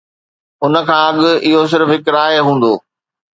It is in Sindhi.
ان کان اڳ، اهو صرف هڪ راء هوندو